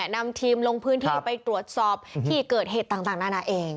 นำทีมลงพื้นที่ไปตรวจสอบที่เกิดเหตุต่างนานาเอง